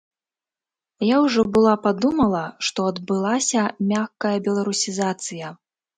Я ўжо была падумала, што адбылася мяккая беларусізацыя.